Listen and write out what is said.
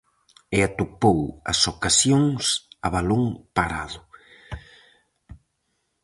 E atopou as ocasións a balón parado.